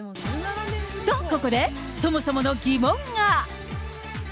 と、ここで、そもそもの疑問が。